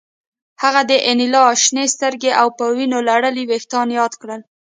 هغه د انیلا شنې سترګې او په وینو لړلي ویښتان یاد کړل